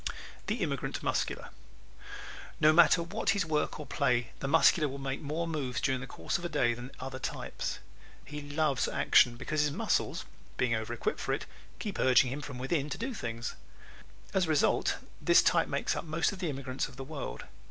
The Immigrant Muscular ¶ No matter what his work or play the Muscular will make more moves during the course of a day than other types. He loves action because his muscles, being over equipped for it, keep urging him from within to do things. As a result this type makes up most of the immigrants of the world.